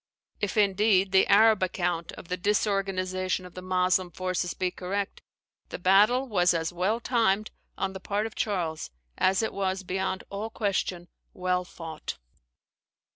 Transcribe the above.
If, indeed, the Arab account of the disorganization of the Moslem forces be correct, the battle was as well timed on the part of Charles as it was beyond all question, well fought.